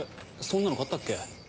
そんなの買ったっけ？